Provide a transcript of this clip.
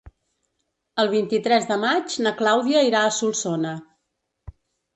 El vint-i-tres de maig na Clàudia irà a Solsona.